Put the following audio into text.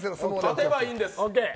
勝てばいいんです。